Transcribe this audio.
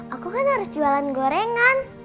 aku kan harus jualan gorengan